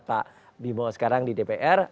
pak bimo sekarang di dpr